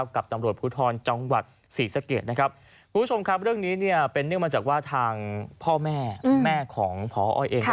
คุณผู้ชมครับเรื่องนี้เนี่ยเป็นเนื่องมาจากว่าทางพ่อแม่แม่ของพออ้อยเอง